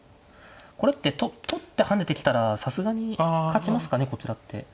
これって取って跳ねてきたらさすがに勝ちますかねこちらって。